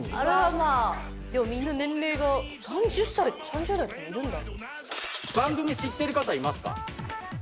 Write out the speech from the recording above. でもみんな年齢が３０歳３０代とかもいるんだ。